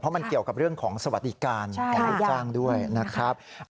มันเกี่ยวกับเรื่องของสวัสดิการของลูกจ้างด้วยนะครับ